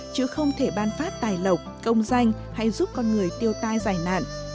chứ không thể ban phát tài lộc công danh hay giúp con người tiêu tai giải nạn